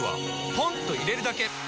ポンと入れるだけ！